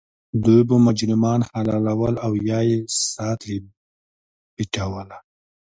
دوی به مجرمان حلالول او یا یې سا ترې بیټوله.